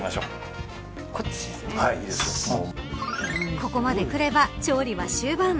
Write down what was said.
ここまでこれば調理は終盤。